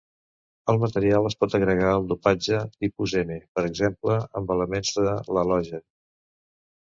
El material es pot agregar al dopatge de tipus n, per exemple, amb elements de l'halogen.